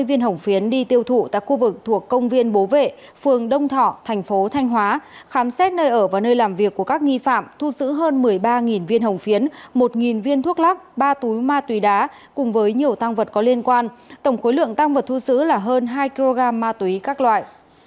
viên hồng phiến đi tiêu thụ tại khu vực thuộc công viên bố vệ phường đông thọ thành phố thanh hóa khám xét nơi ở và nơi làm việc của các nghi phạm thu giữ hơn một mươi ba viên hồng phiến một viên thuốc lắc ba túi ma túy đá cùng với nhiều tăng vật có liên quan tổng khối lượng tăng vật thu giữ là hơn hai kg ma túy các loại